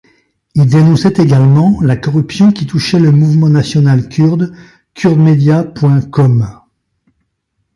Il dénonçait également la corruption qui touchait le mouvement national kurde kurdmedia.com.